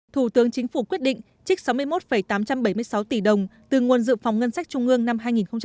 thủ tướng chính phủ quyết định trích sáu mươi một tám trăm bảy mươi sáu tỷ đồng từ nguồn dự phòng ngân sách trung ương năm hai nghìn hai mươi